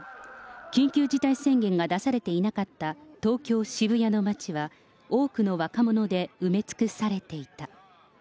緊急事態宣言が出されていなかった東京・渋谷の街は多くの若者で埋め尽くされていた。